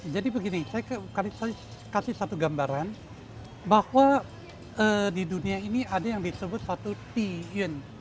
begini saya kasih satu gambaran bahwa di dunia ini ada yang disebut satu t un